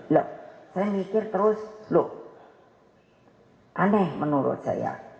loh saya mikir terus loh aneh menurut saya